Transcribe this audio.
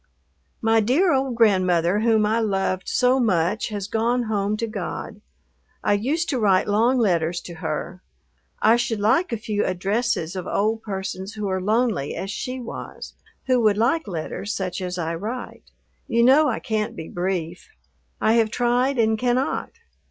My dear old grandmother whom I loved so much has gone home to God. I used to write long letters to her. I should like a few addresses of old persons who are lonely as she was, who would like letters such as I write. You know I can't be brief. I have tried and cannot.